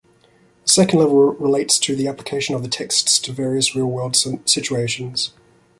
The second level relates to the application of the texts to various real-world situations.